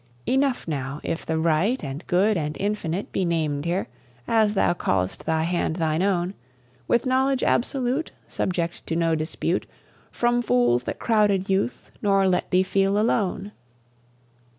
Enough now, if the Right And Good and Infinite Be named here, as thou callest thy hand thine own, With knowledge absolute, Subject to no dispute From fools that crowded youth, nor let thee feel alone.